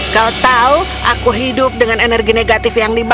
kau tahu aku hidup dengan energi negatif yang diperlukan